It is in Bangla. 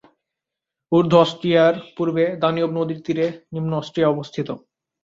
ঊর্ধ্ব অস্ট্রিয়ার পূর্বে, দানিউব নদীর তীরে নিম্ন অস্ট্রিয়া অবস্থিত।